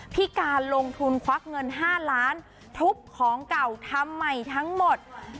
พิการลงทุนควักเงิน๕ล้านทุบของเก่าทำใหม่ทั้งหมด